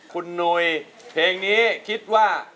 คุณหนุ่ยเพลงนี้คิดว่า